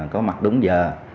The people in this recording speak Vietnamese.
có mặt đúng giờ